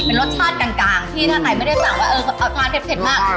เป็นรสชาติกลางกลางที่ถ้าใครไม่ได้สั่งว่าเออเอาข้าวเผ็ดเผ็ดมาก